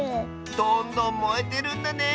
どんどんもえてるんだね。